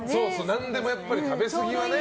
何でもやっぱり食べ過ぎはね。